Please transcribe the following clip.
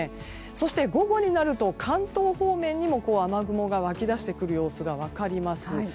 そして、午後になると関東方面にも雨雲が湧き出してくる様子が分かります。